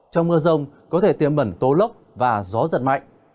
trong mưa rông có thể tiêm bẩn tố lốc và gió giật mạnh